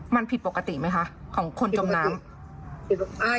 มันผิดปกติไหมคะของคนจมน้ำ